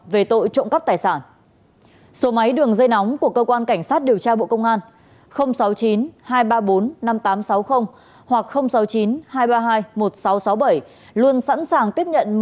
về tội trộm cắp tài sản